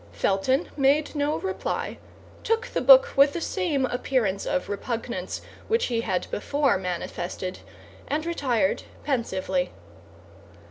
Felton made no reply, took the book with the same appearance of repugnance which he had before manifested, and retired pensively.